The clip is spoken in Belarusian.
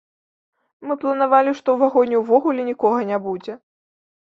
Мы планавалі, што ў вагоне увогуле нікога не будзе.